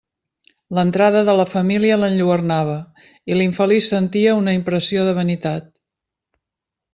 L'entrada de la família l'enlluernava, i l'infeliç sentia una impressió de vanitat.